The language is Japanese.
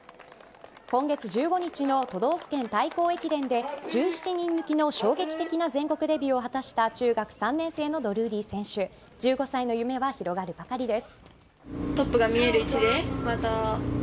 今月１５日の都道府県対抗駅伝で１７人抜きの衝撃的な全国デビューを果たした中学３年生のドルーリー選手１５歳の夢は広がるばかりです。